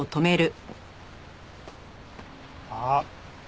あっ！